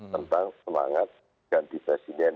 tentang semangat ganti presiden